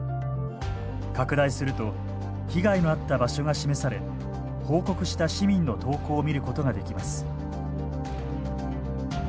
拡大すると被害のあった場所が示され報告した市民の投稿を見ることができます。